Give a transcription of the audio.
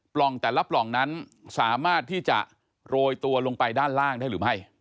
ร่องแต่ละปล่องนั้นสามารถที่จะโรยตัวลงไปด้านล่างได้หรือไม่